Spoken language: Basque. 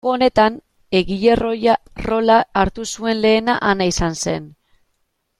Blog honetan egile rola hartu zuen lehena Ana izan zen.